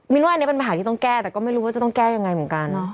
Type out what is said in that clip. ว่าอันนี้เป็นปัญหาที่ต้องแก้แต่ก็ไม่รู้ว่าจะต้องแก้ยังไงเหมือนกัน